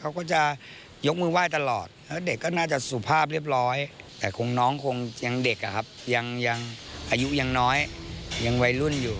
เขาก็จะยกมือไหว้ตลอดแล้วเด็กก็น่าจะสุภาพเรียบร้อยแต่คงน้องคงยังเด็กอะครับยังอายุยังน้อยยังวัยรุ่นอยู่